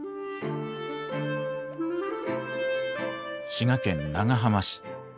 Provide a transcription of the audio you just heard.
滋賀県長浜市。